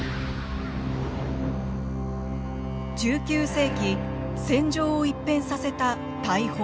１９世紀戦場を一変させた大砲。